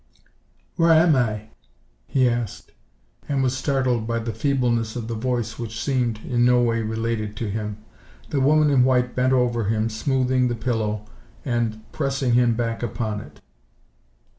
"Where am I?" he asked, and was startled by the feebleness of the voice which seemed in no way related to him. The woman in white bent over him, smoothing the pillow and pressing him back upon it.